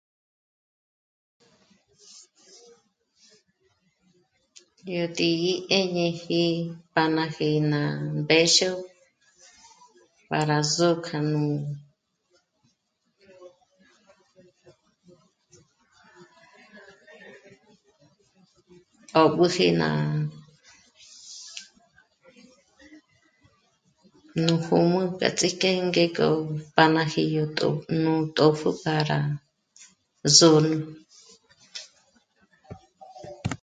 Yó tǐ'i 'éñeji pa ná jéná'a mbë̌xo para söjkánú 'ób'üji ná hǔmü k'a tsí'jke ngék'o pánaji yó tò'o nú tópjü para zü'nü